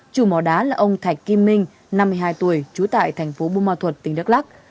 chủ mỏ đá là ông thạch kim minh năm mươi hai tuổi trú tại thành phố bù ma thuật tỉnh đắk lắc